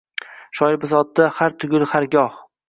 Shoir bisotida har tugul har goh